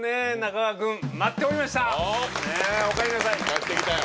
帰ってきたよ。